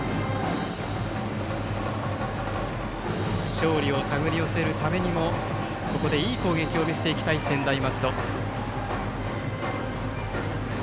勝利を手繰り寄せるためにもここでいい攻撃を見せていきたい専大松戸。